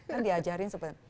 kan diajarin sepenuhnya